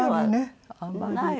あんまりね。